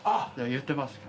言ってますよ